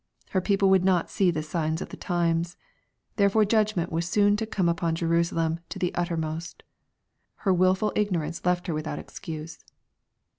Her people would not see " the signs of the times/' Therefore judgment was soon to come upon Jerusalem to the uttermost. Her wil ful ignorance left her without excuse.